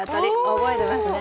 覚えてますね。